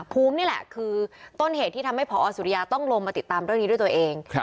ภูมินี่แหละคือต้นเหตุที่ทำให้พอสุริยาต้องลงมาติดตามเรื่องนี้ด้วยตัวเอง